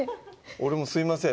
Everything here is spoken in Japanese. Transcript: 俺もすいません